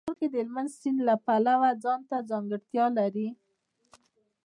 افغانستان د هلمند سیند د پلوه ځانته ځانګړتیا لري.